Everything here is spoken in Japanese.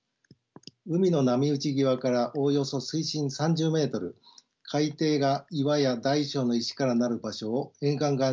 海の波打ち際からおおよそ水深３０ｍ海底が岩や大小の石から成る場所を沿岸岩礁域と呼びます。